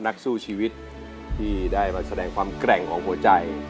นักสู้ชีวิตที่ได้มาแสดงความแกร่งของหัวใจ